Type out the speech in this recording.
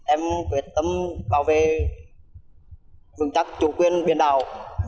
em quyết tâm bảo vệ vững chắc chủ quyền biển đảo